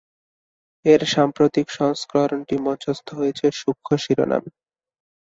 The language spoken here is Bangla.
এর সাম্প্রতিক সংস্করণটি মঞ্চস্থ হয়েছে 'সূক্ষ্ম' শিরোনামে।